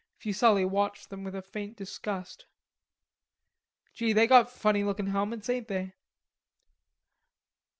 Fuselli watched them with a faint disgust. "Gee, they got funny lookin' helmets, ain't they?"